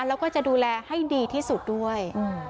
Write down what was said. แล้วก็จะดูแลให้ดีที่สุดด้วย